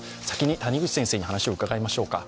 先に谷口先生に話を伺いましょう。